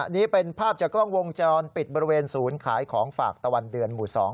นี่เป็นภาพจากกล้องวงจรปิดบริเวณศูนย์ขายของฝากตะวันเดือนหมู่๒